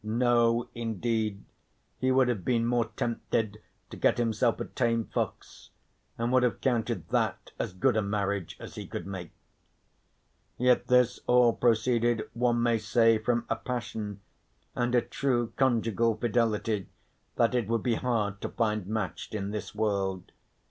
No, indeed, he would have been more tempted to get himself a tame fox, and would have counted that as good a marriage as he could make. Yet this all proceeded one may say from a passion, and a true conjugal fidelity, that it would be hard to find matched in this world.